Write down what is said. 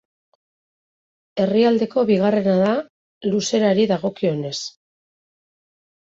Herrialdeko bigarrena da luzerari dagokionez.